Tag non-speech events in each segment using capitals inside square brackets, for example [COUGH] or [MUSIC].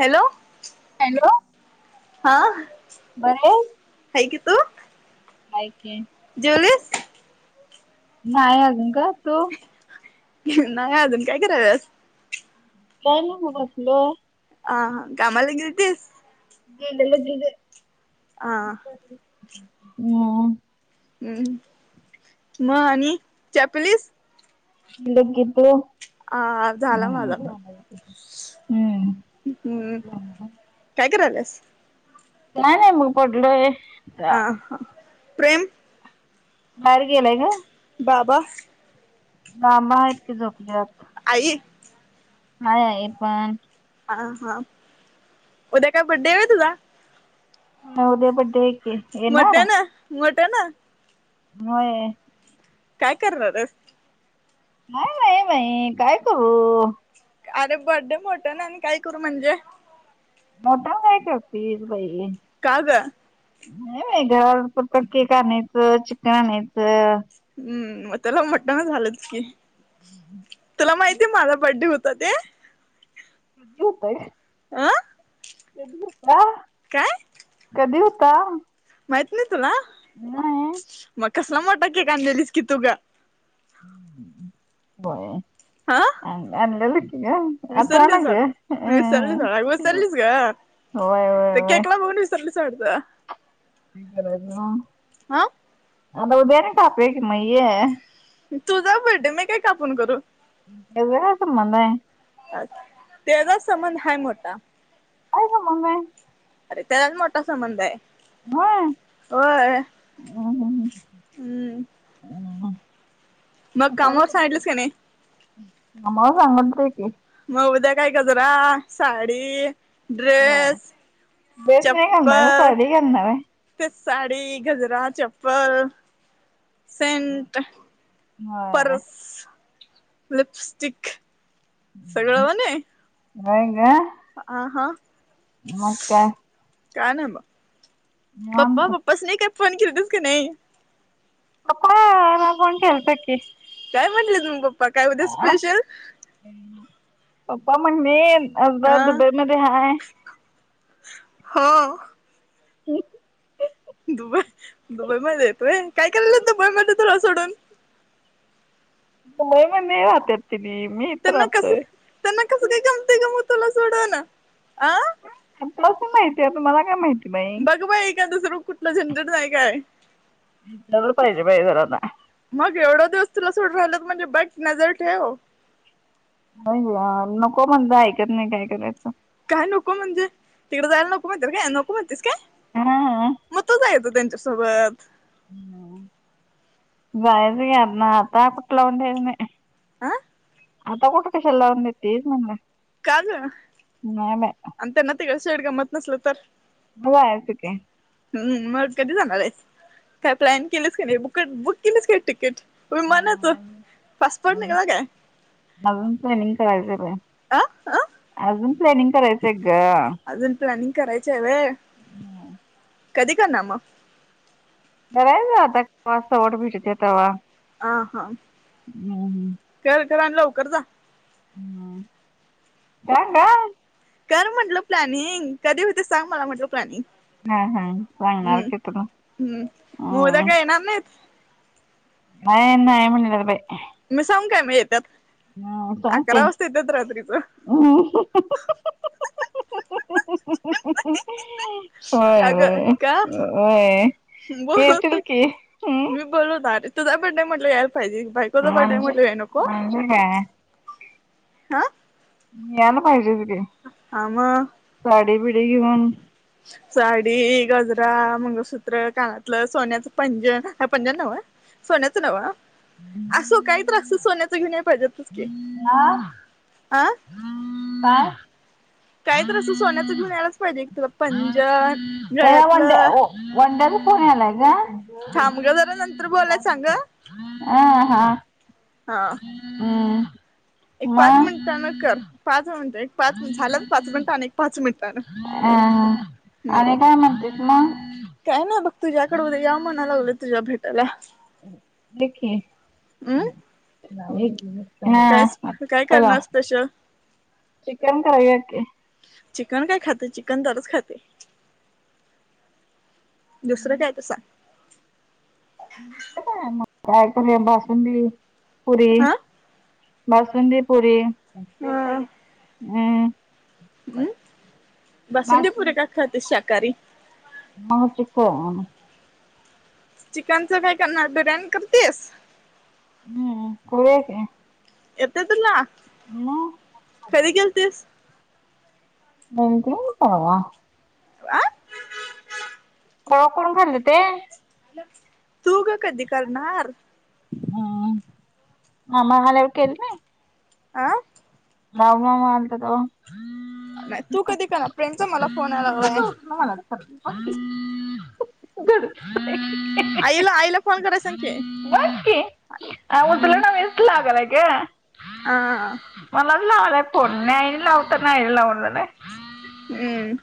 Hello! Hello. हा बरे हाय की तू. हाय की. जेवलीस? नाही अजून का, तू? नाही अजून, काय करायलास? जायला म बसलो. अ कामाला गेली तिस? गेंदले भीगं. आ. हम्. हम् म आणि चहा पिलीस? लगीतो. हा झाला माझा पण, हम्म हम्म. काय कराल्यास? काय नाय मी पडलोय. अ बाहेर हा प्रेम. बाहेर गेलाय का. बाबा. बाबा आहेत की झोपल्यात. आई. आहे आई पण. हा हा उद्या काय बर्थडे हाय होय तुझा. उद्या बडडे आहे की. येणार मोठ्यानं मोठ्यानं. होय. काय करनार हाईस. काय नाही बाई काय करू. अरे बड्डे मोठ्यानं आणि काय करू म्हणजे. मोठा काय करतीस बाई. का गं. नाही बाई घरापुरतं केक आणायचं चिकन आणायचं. हम्म मग त्याला मटण झालंच की. तुला माहितीय माझा बड्डे होता ते. त होतय. आ. कधी हुता. काय. कधी होता. माहित नाही तुला. होय. मग कसला मोठा केक आणल्यालीस तू गं. बाई ह अ अ अनलं लकी ग आठवना विसलीस ग विलीस ब चालीस घ होय होय तर होय केकला बघूनस सलसडत हा आता उ दे्यान काप क मये तुझा बड्डे मी काय कापून करू ते व कमलाय अच तेचा संबंध हाय मोठा काय ग मम्मे अरे त्यालाच मोठा संबंध आहे होय हम्म् होय हम्म. हम्म मग कामावर सांगितलंस का नाही आम्हाला सांगितलय की. मग उद्या काय गजरा साडी होय ड्रेस चप्पल काय नाव ये ते साडी गजरा चप्पल सेंट होय पर्स लिपस्टिक सगळं बणे नाहीईंग आ हा मका का ना म पप्पा निवांत पप्पाच नाही काय फोन केले तस का नाही पपा ना बण केल्तकी काय म्हटले तुम् पप्पा काय होत्या स्पेशल पा्पा म्हणणे असदा हा दुबे म रहाय हो ह दुबई दुबईमध्ये येतोय काय करायल दुबई म तुला सोडून म मग नाही राहते ति मी इथ त्यांना कसं राहतोय त्यांना कसं काही गमते गम तुला सोडव ना अ लास माहिती आहे तुम्हाला काय माहिती बाई बघ बा एका तुसर कुठला झंडट नाही काय पाहिजे बाहिजरना मग एवढा दिवस तुला सोड राहिल म्हणजे बट नजर ठेव नाही नको म्हणत ऐकत नाही काय करायचं काय नको म्हणजे तिकडे जायला नको माहिती काय नको माहितीस काय हा येत त्यांच्यासोबत ह भयस घ ना आता आपठला उंे नाही आह आता कठ काेशलवरण य तेज म्ह काज अंत ना ते का शडग मत नसल तर हला आहेसक हम् मग कधी जामलाय काय प्लॅन केलंच का नाही ब बुक केलंस का तिकीट प मनत फस पड निघला काय अजून प्लॅनिंग करायचं बया अ अ अजून प्लॅनिंग करायचंय ग अजून प्लॅनिंग करायच आहे व कधी करणार मग घराय जाता वावट भेटते तेव्हा आ हा हम्म. कर कर आणि लवकर जा, का काय, कर म्हटलं प्लॅनिंग कधी होते, सांग मला म्हटलं प्लॅनिंग, हा हा सांगणार हम्म की तुला हम्म मग उद्या हम्म. काही येणार नाहीत, नाही नाहीय म्हणलं बाई, मी सांगु काय मी येतात अकरा वाजता येतात रात्रीच, अह ह ह ह ह ह ह का ह ग ह, का होयय वय येतील की हं बोललो होतो आधीच तुझा बर्डे म्हटलं यायला पाहिजे बायकोच बर्थडे म्हणजे म्हटलं याय नको, म्हणजे काय हा, मी याला पाहिजे तिथे, आम, घेऊन साडी गजरा मंगळसूत्र कानातलं सोन्याचं पंजन ह पंजन नव, सोण्या्याच नावा असो काही त्रासत सोन्याच घेऊन पाहिजेत क अं बाय काही तर असं सोन्याचं घेऊन यायलाच पाहिजे एक तुला पंजन नळ्यातलं वंडर पुण्यालाय का, थांब ग जरा नंतर बोलायच सांग ग. आ हा हा ह. एक पाच मिनिटानं कर पाच मिनिटं एक पाच मिनिट झालं पाच मिनिटानं एक पाच मिनिटानं, अहह आणि हम्म काय म्हणतेस मग, काय ना बघ तुझ्याकडे उद्या या म्हणालावलं तुझ्या भेटायला लीह की नाव लिही, कायच काय करणारस तश, चिकन करूयात की, चिकन काय खाता चिकन दररोज खाते, दुसरं काय तसा, आता काय मग काय करुया बासुंदी पुरी, हा बासुंदी पुरी हम्, हम् बसती पुुरे का खात शाकाहारी, हा चिकन, चिकनचं काय करणार बिर्याणी करतियेस, हम्म करुया की येते तुला, म, कधी केलतीस, बँक मन परवा, आं, कोलाकडून खाल्ले ते, तू ग कधी करणार, हम्म मामा आल्यावर केल नाही, आ, बाळू मामा आलते तेव्हा, नाही तू कधी करणार फ्रेंडचा मला फोन आलेला आहे, बड, आईला आईला फोन कराय सांग की, हम्म तू लागलाय का, आह, मला लावयला आहे फोन पन नाही लावत नाही लावून, नाही हम्म.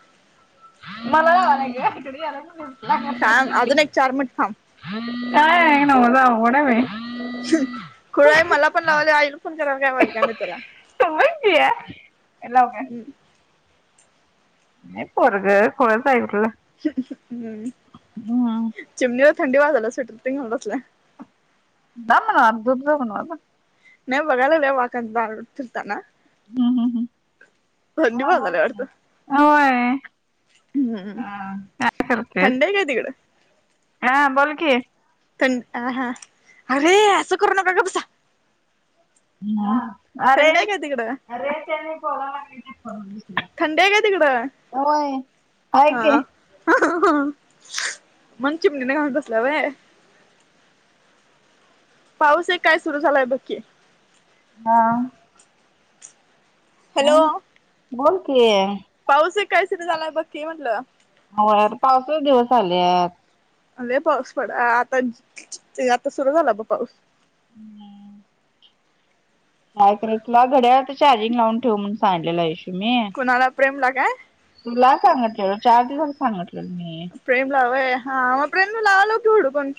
थांब अजून [UNINTELLIGIBLE] एक चार मिनिट थांब [UNINTELLIGIBLE] खुळाय मला पण लावाले आईला फोन कराला काय [INAUDIBLE] मी तुला [UNINTELLIGIBLE] हम्म. नाही पोरगं खुळचं हाय कुठलं हम्म हम्म चिमणीला थंडी वाजाला सुटेर तिनं घेऊनं बसल्या. [UNINTELLIGIBLE] दूध बनवा ना. नेव बघायाला लागले वाकन [UNINTELLIGIBLE] ना. हम्म हम्म वाजायला वाटतं हम्म होय. हम्म काय करतेस थंड हाय काय तिकडं?? हा बोल की पण अहा अरे, असं करू नका गप बसा, ह अरे थंड आहे काय तिकडं अरे त्यांनी पावाला गेले हैत भघ, थंडी हाय काय तिकडं आहे की हा, [INAUDIBLE] मग चिमणी ना घाऊण बसल्या वय, पाऊस एक काय सुरू झालाय बघ की. हा हा हॅलो बोल की पाऊस एक काय सुरू झालयं बघकी म्हंटलं. होय पावसाचं दिवस आलेत. लय पाऊस पडा आतां आता सुरु झाला बघा पाऊसं. [UNINTELLIGIBLE] काय करायचं तुला घड्याळ्याच चार्जिंग लावून ठेव म्हणून सांगितलेलय. कुणाला प्रेम लागाय तुला सांगितलेलं चार दिवस सांगिटलंय मी प्रेम लावय हा मग प्रेम न लावाय लाव की विडिओ कॉन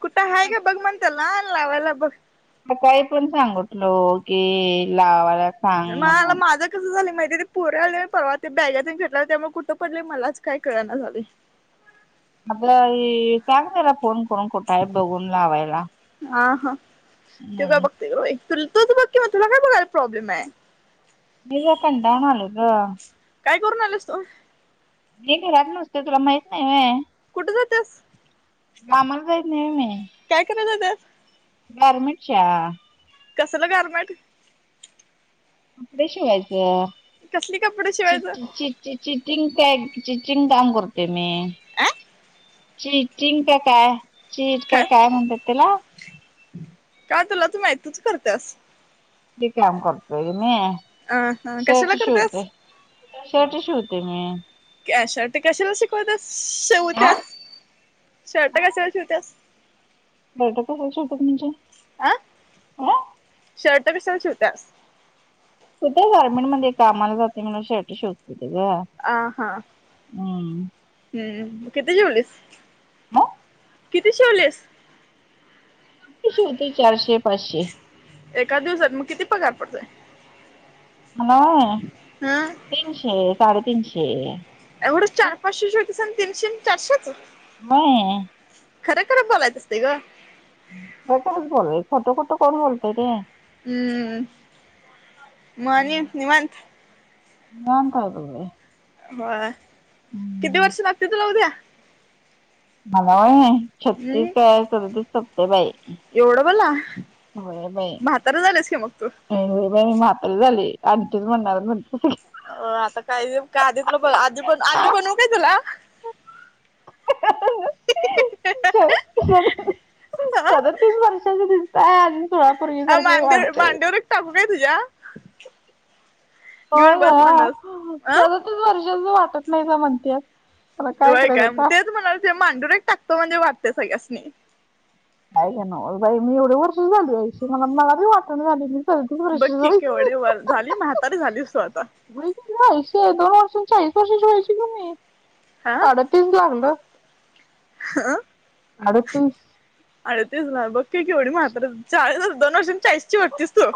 कुठं हाय बघ म्हण त्याला लावयला बघ हा काय पण सांगतलो की लावायला सांग माला म्हणून माझं कसं झालीय माहिती ते पोरा आले परवा ते बॅगा ते घेतल्या त्यामुळे कुठं पडले मलाच काय कळना झालंय. आपला हे सांग जरा फोन करून कुठयं बघून लावायला. हा हा ती काय हम्म बघते ग बाई तूल तूच बघ की मग तुला काय बघाय प्रॉब्लेमाय. मी जरा कंटाळून आले ग काय करून आलेस तू? मी घरात नसते तुला माहित नाय व्हय कुठे जात्यास? कामाला जाईत नाही मी काय करायचाय त्यात गरमेंटचा कसलं गारमेट? कपडे शिवायचं कसली कपडे शिवायचं चिठी चि ते चिचिंग टॅग चिचिंग काम करते मी. अ चिचिंग का काय चीझ का काय म्हणतात त्याला का तुलाच माहित तूच करत्यास. ते काम करतोय मी अ हा कशाला शर्ट करत्यास? शिवतोय. शर्ट शिवते मी. [UNINTELLIGIBLE] शर्ट कशाला शिकवतेस शिवत्यास शर्ट कशाच शिवत्यास [UNINTELLIGIBLE] कशाला शिवत्यास म्हणजे अ अं? शर्ट कशाला शिवत्यास कुठं गारमेंट मध्ये कामाला जाते म्हणून शर्ट शिवतेत ग. आ हा हम्म. हम्म किती शीवलीस? मग किती शिवलेस. कसे, होते चारशे पाचशे. एका दिवसात मग किती पगार पडतोयं. मला व्हय हं तीनशे, साडेतीनशे. एवढं चार-पाचशे शिवतीस आणि तीनशे आणि चारशेचं. व्हय खरं, खरं बोलायच असते गं. खोटं बोलायचं खोटं खोटं कोण बोलतंय ते. हम्म, म आणि निवांत. नाम, काय ग. होय किती वर्ष लागते तुला उद्या? मला व्हय, छत्तीस हम्म ते सदतीस संपतंय बाई. एवढं बाला, होय बाई म्हातार झालेस की मग तूं. होय बाई, मी म्हातारी झाली. आमचीच म्हणणार म्हणते. हो आता काही का, आधी तुला प आजी, पण आजी बनवू काय तुला. [INAUDIBLE] ह सदतीस वर्षाचे दिसताय आणि खुळ्या पोरगी सारख मांडीवर वाटतय. मांडीवर एक टाकू काय तुझा हो ग, अं सदतीस वर्षाच वाटत नाही सां म्हणत्यातं. वय काय, तेच म्हणालतो मांडुरेक टाकतो म्हणजे वाटतंय सगळ्यासनी. काय हे नव्ह बाई मी एवढ वर्षं झाल शी मला, मला भी वाटणा झालय की. बघ की, केवढे वर झाली म्हातारी झालीस तू आतां. व्हयं की गं, शोभा मावशी चाळीस वर्षाची व्हायची कणी, हा अडतीस लागलं. हा. अडतीस. अडतीस ला बघ की, केवढी म्हातारी, चाळीस दोन वर्षांन चाळीस ची होतीस तू.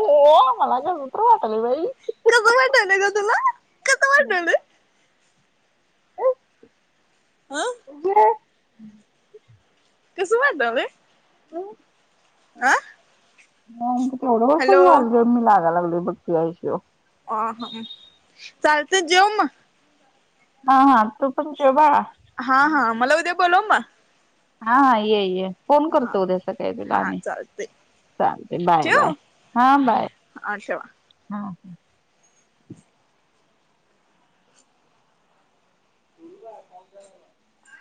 हो मला कसं तर वाटालयं बाई. कसं वाटालयं गं तुला, कसं वाटालयं. अं. म्हणजे कसं वाटालयं? आं. मग एवढं वर्ष झालं मी मागा लागलोय बघ की त्या ईषयावर. आ चालतंय जेव मग. हा हा तू पण जेव बाळा. हा हा मला उद्या बोलव मग. हा हा, ये ये, फोन हा करतो उद्या सकाळी तुला हा आणि. चालतय चालतय बाय बाय, ठेवू हां बाय, हा ठेवा हां. [UNINTELLIGIBLE]